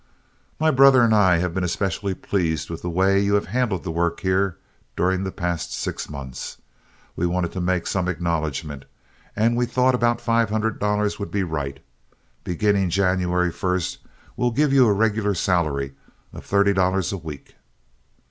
"My brother and I have been especially pleased with the way you have handled the work here during the past six months. We wanted to make some acknowledgment, and we thought about five hundred dollars would be right. Beginning January first we'll give you a regular salary of thirty dollars a week."